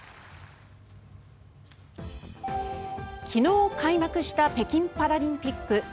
昨日開幕した北京パラリンピック。